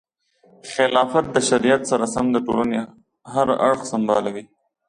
خلافت د شریعت سره سم د ټولنې هر اړخ سمبالوي.